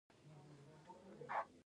بندیزونه د نویو الوتکو مخه نیسي.